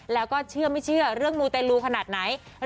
แล้วก็เรื่องมูแตดลูกขนาดไหนเท่ละ